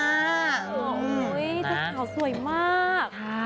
โอ้ยเท่าสวยมาก